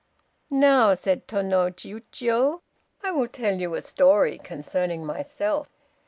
"Now," said Tô no Chiûjiô, "I will tell you a story concerning myself.